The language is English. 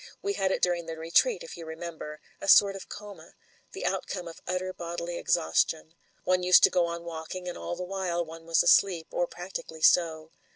We had it during the retreat if you remember — ^a sort of coma, the outcome of utter bodily exhaustion. One used to go on walk ing, and all the while one was asleep — or practically so.